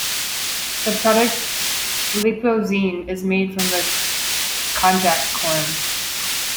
The product Lipozene is made from the konjac corm.